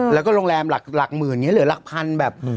แล้วก็โรงแรมหลักหมื่นเหลือหลักพันธุ์แบบ